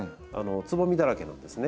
つぼみだらけなんですね。